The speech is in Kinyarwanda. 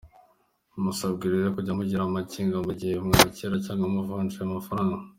Musabwe rero kujya mugira amakenga mu gihe mwakira cyangwa muvunja ayo mafaranga”.